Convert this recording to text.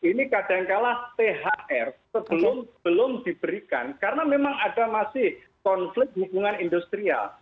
ini kadangkala thr sebelum belum diberikan karena memang ada masih konflik hubungan industrial